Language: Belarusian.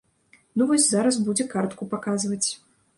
Ну, вось зараз будзе картку паказваць.